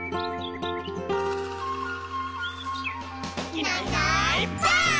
「いないいないばあっ！」